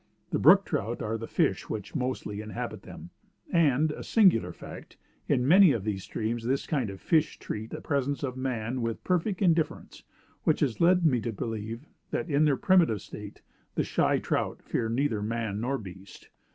The brook trout are the fish which mostly inhabit them, and, a singular fact, in many of these streams this kind of fish treat the presence of a man with perfect indifference, which has led me to believe, that in their primitive state, the "shy trout" fear neither man nor beast.